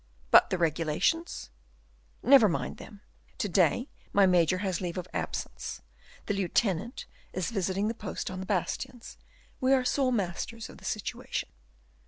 "But the regulations?" "Never mind them. To day my major has leave of absence; the lieutenant is visiting the post on the bastions; we are sole masters of the situation."